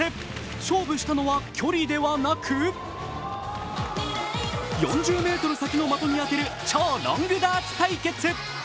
勝負したのは距離ではなく４０ｍ先の的に当てる超ロングダーツ対決。